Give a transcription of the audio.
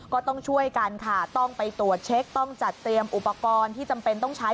ก็ต้องช่วยกันค่ะต้องไปตรวจเช็คต้องจัดเตรียมอุปกรณ์ที่จำเป็นต้องใช้